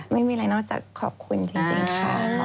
ไม่มีอะไรนอกจากขอบคุณจริงค่ะ